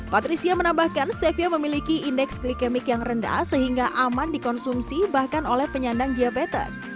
patricia menambahkan stevia memiliki indeks glikemik yang rendah sehingga aman dikonsumsi bahkan oleh penyandang diabetes